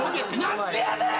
何でやねん！